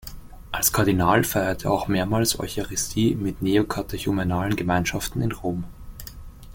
Als Kardinal feierte er auch mehrmals Eucharistie mit Neokatechumenalen Gemeinschaften in Rom.